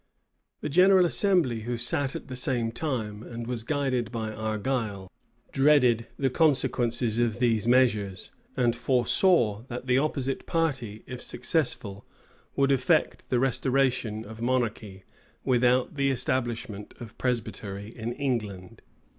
The general assembly, who sat at the same time, and was guided by Argyle, dreaded the consequences of these measures; and foresaw that the opposite party, if successful, would effect the restoration of monarchy, without the establishment of Presbytery in England.